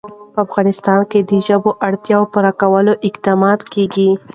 په افغانستان کې د ژبو اړتیاوو پوره کولو اقدامات کېږي.